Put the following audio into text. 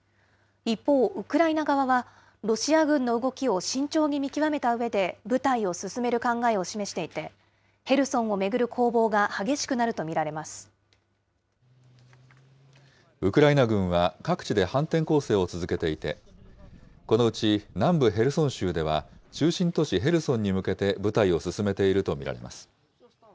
一方、ウクライナ側は、ロシア軍の動きを慎重に見極めたうえで、部隊を進める考えを示していて、ヘルソンを巡る攻防が激しくウクライナ軍は、各地で反転攻勢を続けていて、このうち、南部ヘルソン州では、中心都市ヘルソンに向けて部隊を進めていると見られます。